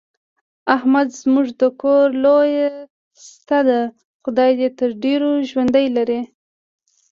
احمد زموږ د کور لویه سټه ده، خدای دې تر ډېرو ژوندی لري.